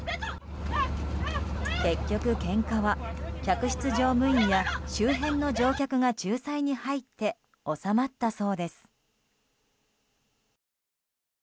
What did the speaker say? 結局、けんかは客室乗務員や周辺の乗客が仲裁に入って収まったそうです。